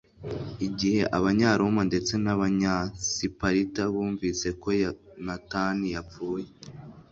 igihe abanyaroma ndetse n'abanyasiparita bumvise ko yonatani yapfuye